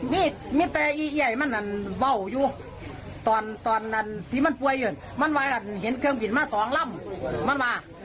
นี่มีแต่อีไอมันอันเบาอยู่ตอนตอนอันที่มันป่วยอยู่มันว่าอันเห็นเครื่องผิดมาสองลำมันว่า